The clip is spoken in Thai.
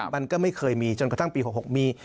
มันก็ไม่เคยมีจนกระทั่งปี๖๖มี